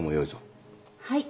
はい。